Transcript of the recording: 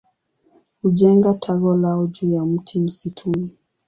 Hujenga tago lao juu ya mti msituni.